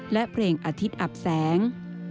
และเพลงอาทิตย์อับแสง